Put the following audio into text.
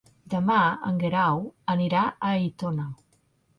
Demà en Guerau anirà a Aitona.